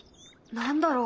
何だろう？